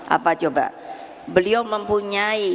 apa coba beliau mempunyai